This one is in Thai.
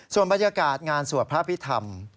ส่วนบรรยากาศงานสวดพระพิธรรม